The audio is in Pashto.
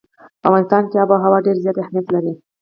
په افغانستان کې آب وهوا ډېر زیات اهمیت لري.